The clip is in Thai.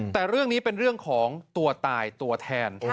แต่เรื่องนี้เป็นเรื่องของตัวตายตัวแทน